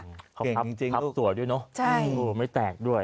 เก่งจริงจริงทับตัวด้วยเนอะใช่ไม่แตกด้วย